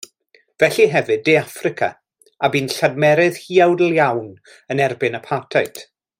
Felly hefyd De Affrica, a bu'n lladmerydd huawdl iawn yn erbyn apartheid.